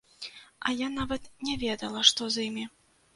А я нават не ведала, што з імі.